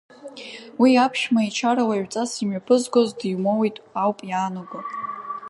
Уи аԥшәма ичара уаҩҵас имҩаԥызгоз димоуит ауп иаанаго.